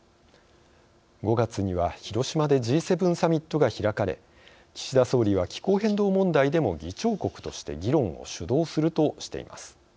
５月には広島でＧ７サミットが開かれ岸田総理は気候変動問題でも議長国として議論を主導するとしています。